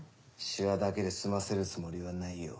シワだけで済ませるつもりはないよ。